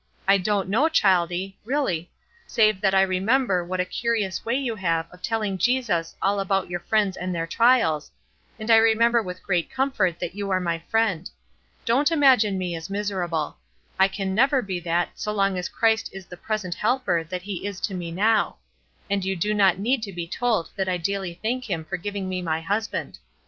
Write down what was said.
I don't, know, childie, really, save that I remember what a curious way you have of telling Jesus all about your friends and their trials, and I remember with great comfort that you are my friend. Don't imagine me as miserable; I can never be that so long as Christ is the present Helper that he is to me now; and you do not need to be told that I daily thank him for giving me my husband.